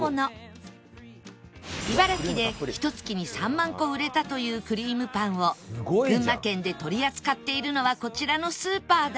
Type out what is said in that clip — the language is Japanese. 茨城でひと月に３万個売れたというクリームパンを群馬県で取り扱っているのはこちらのスーパーだけ